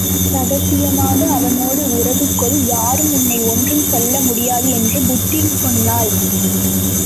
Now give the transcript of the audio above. ரகசியமாக அவனோடு உறவு கொள் யாரும் உன்னை ஒன்றும் சொல்ல முடியாது என்று புத்தி சொன்னாள்.